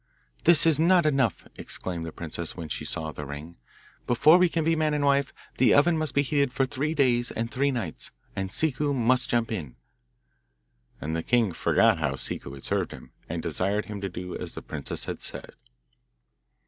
'That is not enough,' exclaimed the princess when she saw the ring; 'before we can be man and wife, the oven must be heated for three days and three nights, and Ciccu must jump in.' And the king forgot how Ciccu had served him, and desired him to do as the princess had said.